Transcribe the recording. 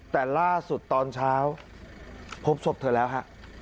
แต่ล่าสุดตอนเช้าพบศพเธอแล้วฮะ